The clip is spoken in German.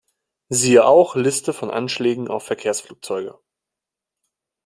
Siehe auch Liste von Anschlägen auf Verkehrsflugzeuge.